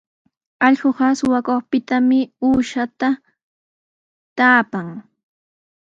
Allquqa suqakuqpitami uushata taapan.